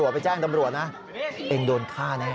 บอกว่าไปแจ้งดำรวจนะเอ็งโดนฆ่าแน่